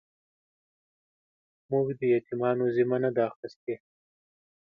موږ د يتيمانو ذمه نه ده اخيستې.